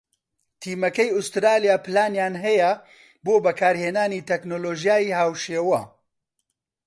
تیمەکەی ئوسترالیا پلانیان هەیە بۆ بەکارهێنانی تەکنۆلۆژیای هاوشێوە